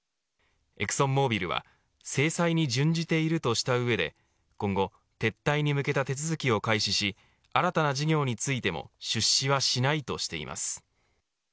エクソンモービルは制裁に準じているとした上で今後、撤退に向けた手続きを開始し新たな事業についても出資はしないとしています。